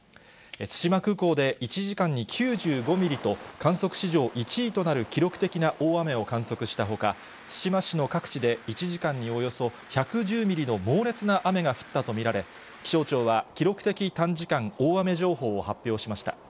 対馬空港で１時間に９５ミリと、観測史上１位となる記録的な大雨を観測したほか、対馬市の各地で１時間におよそ１１０ミリの猛烈な雨が降ったと見られ、気象庁は記録的短時間大雨情報を発表しました。